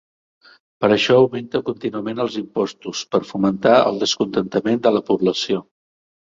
Per això augmenta contínuament els impostos per fomentar el descontentament de la població.